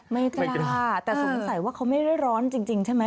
ไม่กล้าแต่สงสัยว่าเขาไม่ได้ร้อนจริงใช่ไหม